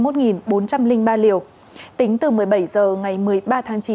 tính từ một mươi bảy h ngày một mươi ba tháng chín